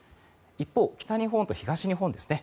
一方、北日本と東日本ですね。